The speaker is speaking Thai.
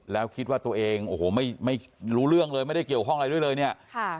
แล้วคิดว่าตัวเองโอ้โหไม่รู้เรื่องเลยไม่ได้เกี่ยวข้องอะไรด้วยเลยเนี่ย